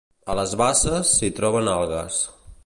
A les basses s'hi troben algues.